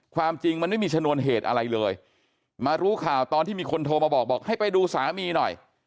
ความจริงมันไม่มีชนวนเหตุอะไรเลยมารู้ข่าวตอนที่มีคนโทรมาบอกบอกให้ไปดูสามีหน่อย